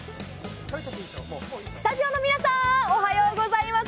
スタジオの皆さん、おはようございます。